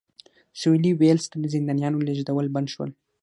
سوېلي ویلز ته د زندانیانو لېږدول بند شول.